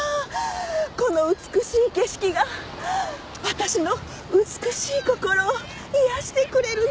この美しい景色が私の美しい心を癒やしてくれるの。